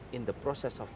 dalam proses waktu